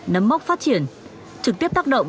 nấm móc phát triển trực tiếp tác động